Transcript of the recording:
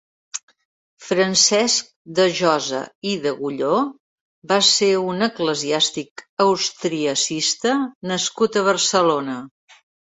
Francesc de Josa i d'Agulló va ser un eclesiàstic austriacista nascut a Barcelona.